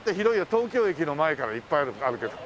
東京駅の前からいっぱいあるけど。